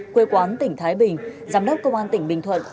quê quán tỉnh thái bình giám đốc công an tỉnh bình thuận